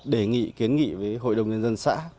đề nghị kiến nghị với hội đồng nhân dân xã